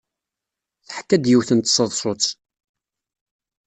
Teḥka-d yiwet n tseḍsut.